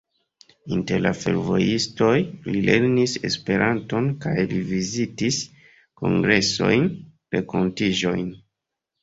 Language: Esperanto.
Inter la fervojistoj li lernis Esperanton kaj li vizitis kongresojn, renkontiĝojn.